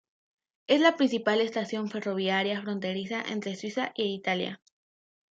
Es la principal estación ferroviaria fronteriza entre Suiza e Italia.